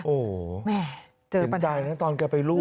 โอ้โหเห็นใจนะตอนเกิดไปลูก